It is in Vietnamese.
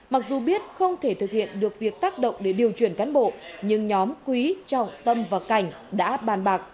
mặc dù biết không thể thực hiện được việc tác động để điều chuyển cán bộ nhưng nhóm quý trọng tâm và cảnh đã bàn bạc